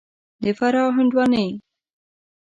د فراه هندوانې